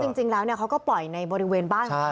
จริงแล้วเขาก็ปล่อยในบริเวณบ้านของเขา